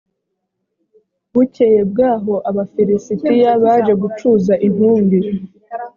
bukeye bwaho abafilisitiya baje gucuza intumbi